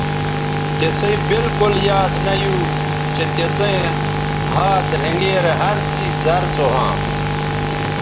تِسئ بالکل یاد نہ یو چہء تسئیں ھات رھینگیرے ھر څیز زر سو ھواں